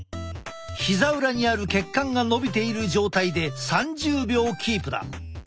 ひざ裏にある血管がのびている状態で３０秒キープだ。